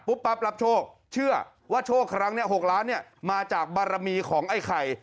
ปั๊บรับโชคเชื่อว่าโชคครั้งนี้๖ล้านเนี่ยมาจากบารมีของไอ้ไข่